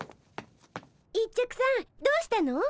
一直さんどうしたの？